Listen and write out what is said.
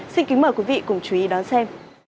xin kính mời quý vị cùng chú ý đón xem